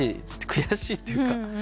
悔しいというか。